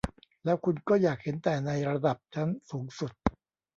แล้วคุณก็อยากเห็นแต่ในระดับชั้นสูงสุด